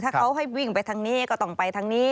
ถ้าเขาให้วิ่งไปทางนี้ก็ต้องไปทางนี้